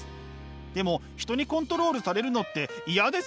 でも人にコントロールされるのって嫌ですよね。